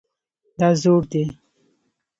دا زوړ دی